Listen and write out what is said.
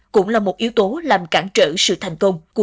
cũng là một yếu tố làm cản trở sự thành tựu